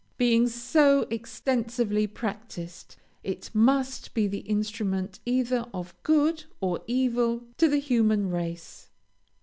Being so extensively practiced, it must be the instrument either of good or evil to the human race.